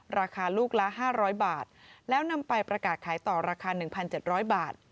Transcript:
ราคาลูกละ๕๐๐บาทแล้วนำไปประกาศขายต่อราคา๑๗๐๐บาท